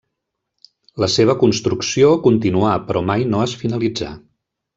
La seva construcció continuà però mai no es finalitzà.